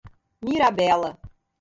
Mirabela